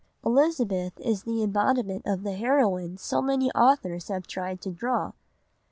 Elizabeth is the embodiment of the heroine so many authors have tried to draw.